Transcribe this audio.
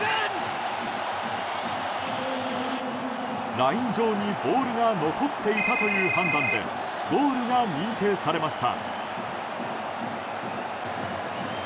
ライン上にボールが残っていたという判断でゴールが認定されました。